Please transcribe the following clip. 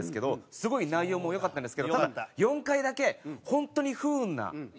すごい内容も良かったんですけどただ４回だけ本当に不運なヒットになっちゃって。